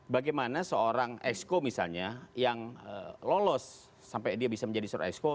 bagaimana seorang exco misalnya yang lolos sampai dia bisa menjadi seorang exco